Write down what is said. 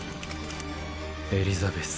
エリザベス。